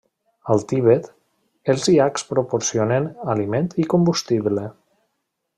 Al Tibet, els iacs proporcionen aliment i combustible.